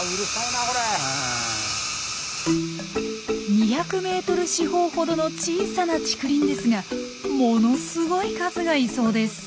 ２００メートル四方ほどの小さな竹林ですがものすごい数がいそうです。